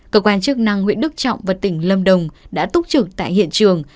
cơ quan chức năng huyện đức trọng và tỉnh lâm đồng đã túc trực tại hiện trường